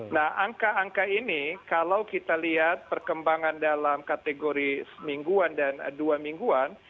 nah angka angka ini kalau kita lihat perkembangan dalam kategori semingguan dan dua mingguan